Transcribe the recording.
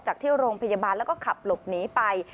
ที่โรงพยาบาลแล้วก็ขับหลบหนีไป